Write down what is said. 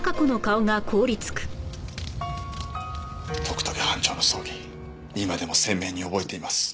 徳武班長の葬儀今でも鮮明に覚えています。